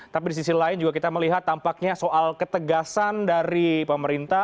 tapi di sisi lain juga kita melihat tampaknya soal ketegasan dari pemerintah